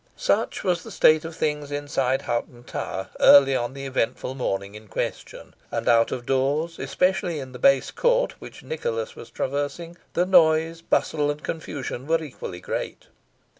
Such was the state of things inside Hoghton Tower early on the eventful morning in question, and out of doors, especially in the base court which Nicholas was traversing, the noise, bustle, and confusion were equally great.